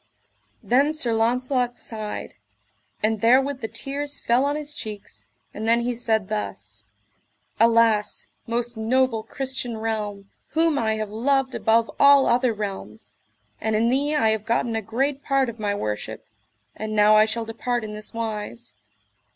Then Sir Launcelot sighed, and therewith the tears fell on his cheeks, and then he said thus: Alas, most noble Christian realm, whom I have loved above all other realms, and in thee I have gotten a great part of my worship, and now I shall depart in this wise.